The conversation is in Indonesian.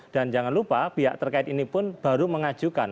dan jangan lupa pihak terkait ini pun baru mengajukan